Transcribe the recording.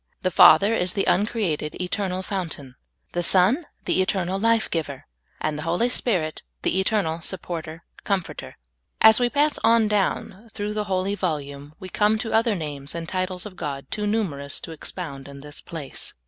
The Father is the uncreated, eternal Fountain ; the Son, the eternal lyife giver ; and the Hoi 3^ Spirit, the eternal Supporter, Comforter. As we pass on down through the holy volume, we come to other names and titles of God too numerous to expound in this place.